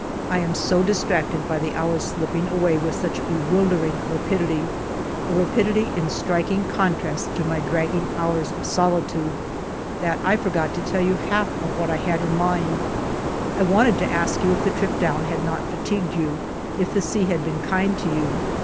I am so distracted by the hour's slipping away with such bewildering rapidity, a rapidity in striking contrast to my dragging hours of solitude, that I forget to tell you half of what I have in mind. " I wanted to ask you if the trip down had not fatigued you, if the sea had been kind to you.